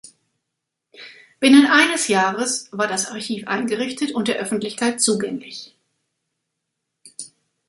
Binnen eines Jahres war das Archiv eingerichtet und der Öffentlichkeit zugänglich.